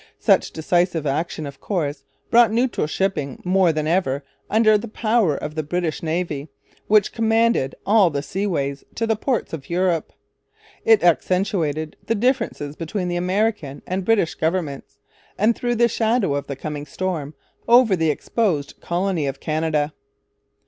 Such decisive action, of course, brought neutral shipping more than ever under the power of the British Navy, which commanded all the seaways to the ports of Europe. It accentuated the differences between the American and British governments, and threw the shadow of the coming storm over the exposed colony of Canada.